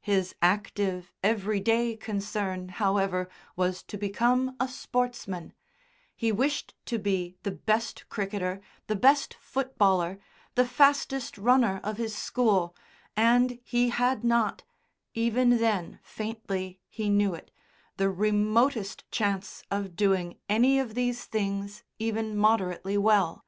His active, everyday concern, however, was to become a sportsman; he wished to be the best cricketer, the best footballer, the fastest runner of his school, and he had not even then faintly he knew it the remotest chance of doing any of these things even moderately well.